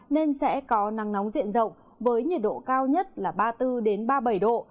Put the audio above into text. nên sẽ có nắng nóng diện rộng với nhiệt độ cao nhất là ba mươi bốn ba mươi bảy độ